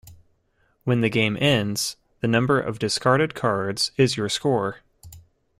When the game ends, the number of discarded cards is your score.